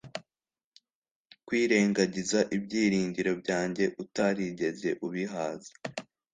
kwirengagiza ibyiringiro byanjye utarigeze ubihaza